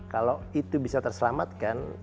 kalau itu bisa terselamatkan